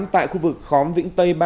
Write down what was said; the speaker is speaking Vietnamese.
tại khu vực khóm vĩnh tây ba